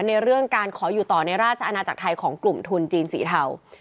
ในเรื่องการขออยู่ต่อในราชอาณาจักรไทยของกลุ่มทุนจีนสีเทา